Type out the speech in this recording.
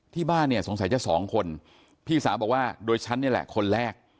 ที่บ้านเนี่ยสงสัยจะสองคนพี่สาวบอกว่าโดยฉันนี่แหละคนแรก